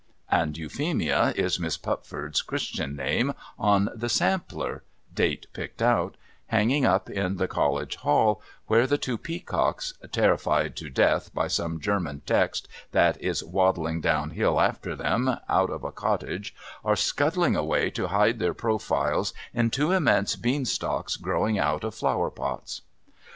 ' And Euphemia is Miss Pupford's christian name on the sampler (date picked out) hanging up in the College hall, where the two peacocks, terrified to death by some German text that is waddling down hill after them out of a cottage, are scuttling away to hide their profiles in two immense bean stalks growing out of flower pots.